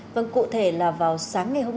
vâng cụ thể là vào sáng ngày hôm nay